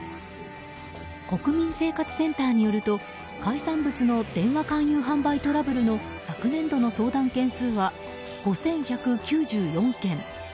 国民生活センターによると海産物の電話勧誘販売トラブルの昨年度の相談件数は５１９４件。